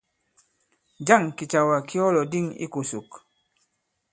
Njâŋ kìcàwà ki ɔ lɔ̀dîŋ ikòsòk?